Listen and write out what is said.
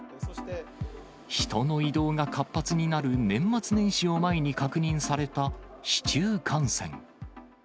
人の移動が活発になる年末年始を前に確認された市中感染。